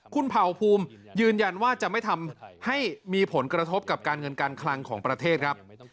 คุณเผ่าภูมิยืนยันว่าจะไม่ทำให้มีผลกระทบกับการเงินการคลังของประเทศครับ